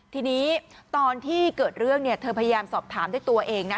ทีนี้ตอนที่เกิดเรื่องเนี่ยเธอพยายามสอบถามด้วยตัวเองนะ